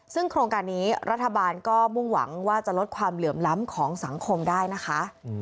ซึ่งโครงการนี้รัฐบาลก็มุ่งหวังว่าจะลดความเหลื่อมล้ำของสังคมได้นะคะ